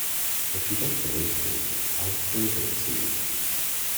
If you don't believe me, I'll prove it to you!